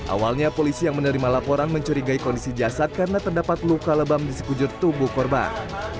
awalnya polisi yang menerima laporan mencurigai kondisi jasad karena terdapat luka lebam di sekujur tubuh korban